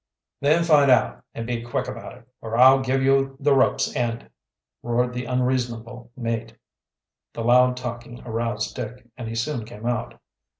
"Then find out, and be quick about it, or I'll give you the rope's end!" roared the unreasonable mate. The loud talking aroused Dick, and he soon came out.